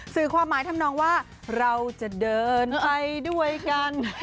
สื่อความหมายทำนองว่าเราจะเดินไปด้วยกัน